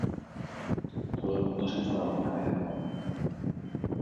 todo el mundo se enfada alguna vez, ¿ no?